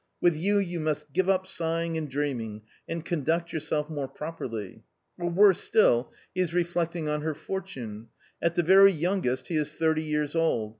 with me you must give up sighing and dreaming and conduct yourself more properly ;' or worse still, he is reflecting on her fortune. At the very youngest he is thirty years old.